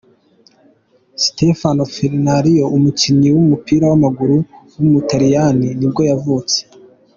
Stefano Ferrario, umukinnyi w’umupira w’amaguru w’umutaliyani nibwo yavutse.